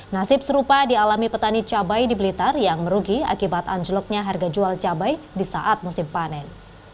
nasib serupa dialami petani cabai di blitar yang merugi akibat anjloknya harga jual cabai di saat musim panen